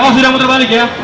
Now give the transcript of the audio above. oh sudah muter balik ya